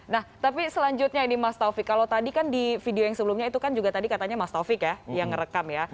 nah tapi selanjutnya ini mas taufik kalau tadi kan di video yang sebelumnya itu kan juga tadi katanya mas taufik ya yang ngerekam ya